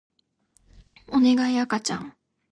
おねがい赤ちゃん